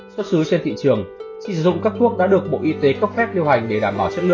xuất xứ trên thị trường chỉ sử dụng các thuốc đã được bộ y tế cấp phép lưu hành để đảm bảo chất lượng